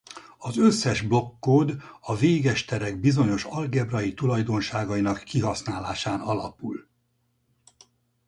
Az összes blokk kód a véges terek bizonyos algebrai tulajdonságainak kihasználásán alapul.